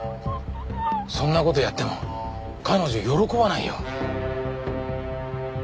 そんな事やっても彼女喜ばないよ。